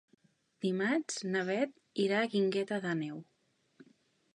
Dimarts na Beth irà a la Guingueta d'Àneu.